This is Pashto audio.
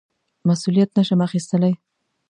مسوولیت نه شم اخیستلای.